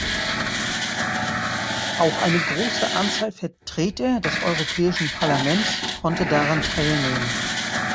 Auch eine große Anzahl Vertreter des Europäischen Parlaments konnte daran teilnehmen.